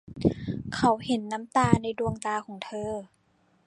เขาเห็นน้ำตาในดวงตาของเธอ